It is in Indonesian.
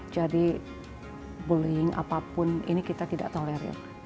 jadi bullying apapun ini kita tidak tolerir